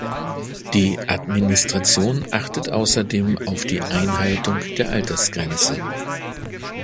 Die Administration achtet außerdem auf die Einhaltung der Altersgrenze.